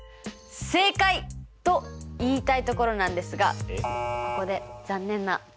正解！と言いたいところなんですがここで残念なお知らせです。